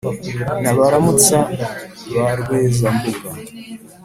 na baramutsa ba rweza mbuga,